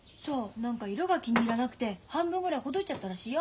何か色が気に入らなくて半分ぐらいほどいちゃったらしいよ。